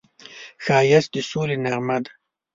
ښایست د سولې نغمه ده